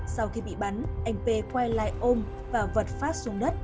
sau khi bị bắn anh p quay lại ôm và vật phát xuống đất